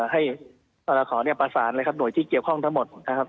ให้สรขอประสานเลยครับหน่วยที่เกี่ยวข้องทั้งหมดนะครับ